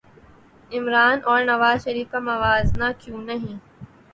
عمرا ن اور نواز شریف کا موازنہ کیوں نہیں